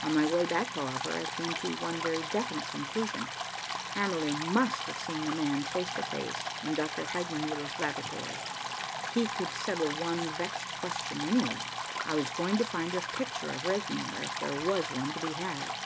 On my way back, however, I came to one very definite conclusion. Hamerly must have seen the man face to face in Dr. Heidenmuller's laboratory. He could settle one vexed question anyway. I was going to find a picture of Regnier if there was one to be had.